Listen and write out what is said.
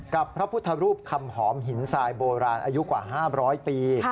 พระพุทธรูปคำหอมหินทรายโบราณอายุกว่า๕๐๐ปี